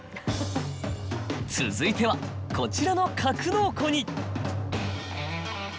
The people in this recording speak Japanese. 続いてはこちらの格納庫に。